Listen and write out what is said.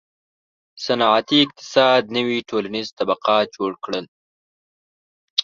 • صنعتي اقتصاد نوي ټولنیز طبقات جوړ کړل.